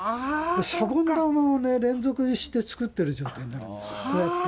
シャボン玉を連続にして作っている状態になるんですよ。